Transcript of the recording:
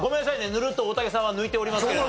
ぬるっと大竹さんは抜いております。